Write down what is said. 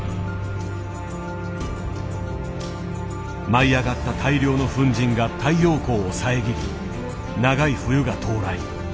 舞い上がった大量の粉じんが太陽光を遮り長い冬が到来。